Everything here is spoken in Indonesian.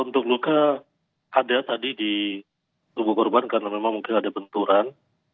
untuk luka ada tadi di tubuh korban karena memang mungkin ada benturan